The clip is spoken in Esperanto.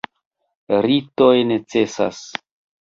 Ritoj necesas.